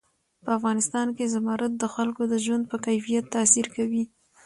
په افغانستان کې زمرد د خلکو د ژوند په کیفیت تاثیر کوي.